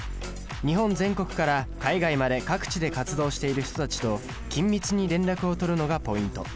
日本全国から海外まで各地で活動している人たちと緊密に連絡を取るのがポイント。